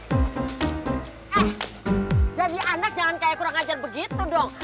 eh jadi anak jangan kayak kurang ajar begitu dong